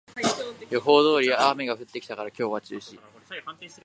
予報通り雨が降ってきたから今日は中止